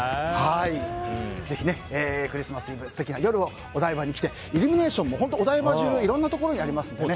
ぜひクリスマスイブ素敵な夜をお台場に来てイルミネーションもお台場中いろんなところにありますからね。